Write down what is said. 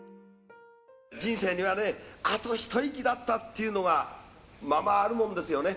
人生にはね、あと一息だったっていうのがままあるもんですよね。